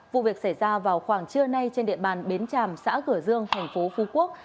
vụ việc xảy ra vào khoảng trưa nay trên địa bàn bến tràm xã cửa dương thành phố phú quốc